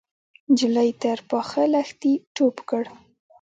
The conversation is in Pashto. نجلۍ تر پاخه لښتي ټوپ کړ.